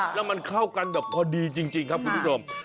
แล้วมันเข้ากันแบบพอดีจริงครับคุณผู้ชม